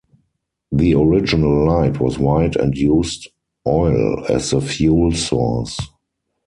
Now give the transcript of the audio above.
The original light was white and used oil as the fuel source.